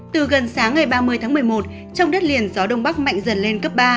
từ gần sáng ngày ba mươi tháng một mươi một trong đất liền gió đông bắc mạnh dần lên cấp ba